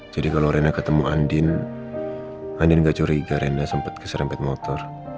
jadi kalau reina ketemu andin andin gak curiga reina sempat keserempet motor